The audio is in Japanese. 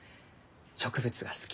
植物が好き。